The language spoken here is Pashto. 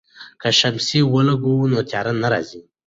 که شمسی ولګوو نو تیاره نه راځي.